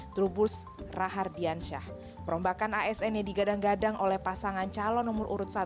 trubus rahardiansyah perombakan asn yang digadang gadang oleh pasangan calon nomor urut satu